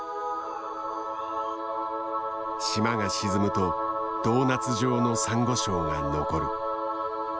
島が沈むとドーナツ状のサンゴ礁が残る。